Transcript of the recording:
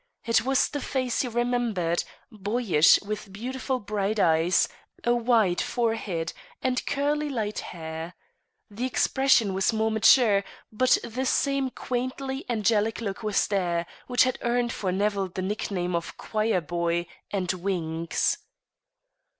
It was the face he remembered; boyish, with beautiful bright eyes, a wide forehead, and curly light hair. The expression was more mature, but the same quaintly angelic look was there, which had earned for Nevill the nickname of "Choir Boy" and "Wings."